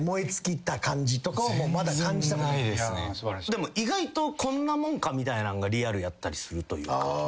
でも意外とこんなもんかみたいなんがリアルやったりする。